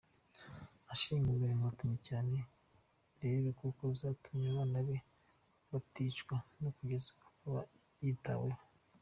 Ashimira inkotanyi cyane rero kuko zatumye abana be baticwa, no kugeza ubu akaba yitaweho.